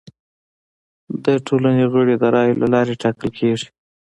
د ټولنې غړي د رایو له لارې ټاکل کیږي.